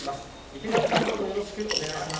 池上さん、どうぞよろしくお願いします。